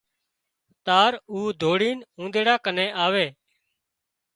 تار او ڌوڙينَ اونۮيڙا ڪنين آوي